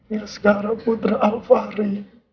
ya sekarang putra alvari